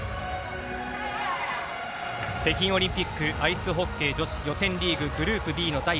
北京オリンピックアイスホッケー女子予選リーググループＢ